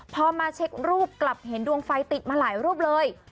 พอมาเช็ครูปกลับเห็นดวงไฟติดมาหลายรูปเลย